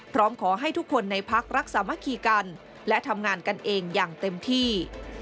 พร้อมขอให้ทุกคนในพักรักษามะคีกันและทำงานกันเองอย่างเต็มที่